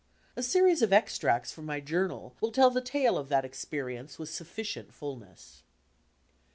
A series of extracts from my journal will tell the tale of that experience with sufficient fulness.